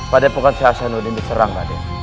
pada pangkal senur jati diserang